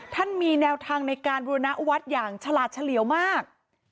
มีแนวทางในการบุรณวัดอย่างฉลาดเฉลี่ยวมาก